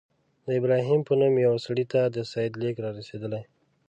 د ابراهیم په نوم یوه سړي ته د سید لیک را رسېدلی.